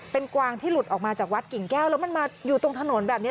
เป็นกวางที่หลุดออกมาจากวัดกิ่งแก้วแล้วมันมาอยู่ตรงถนนแบบนี้